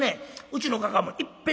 うちのかかあね